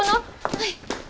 はい！